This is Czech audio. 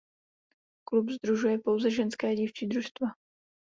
Klub sdružuje pouze ženské a dívčí družstva.